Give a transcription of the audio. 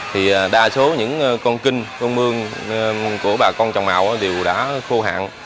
thì đa số những con kinh con mương của bà con trồng màu đều đã khô hạn